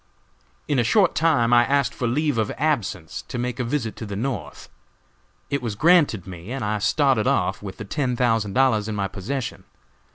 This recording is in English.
"In a short time I asked for leave of absence to make a visit to the North. It was granted me, and I started off, with the ten thousand dollars in my possession.